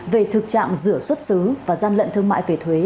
về thực trạng rửa xuất xứ và gian lận thương mại về thuế